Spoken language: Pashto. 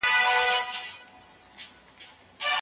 ایا څېړنه د دقیقو شواهدو اړتیا لري؟